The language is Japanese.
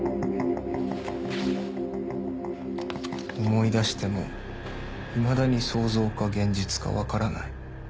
思い出してもいまだに想像か現実かわからない。